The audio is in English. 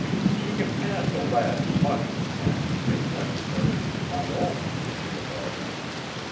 She can have the lad's money, and, if necessary, my own into the bargain.